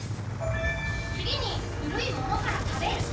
次に古いものから食べる。